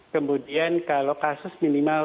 kemudian kalau kasus minimal satu dua satu dua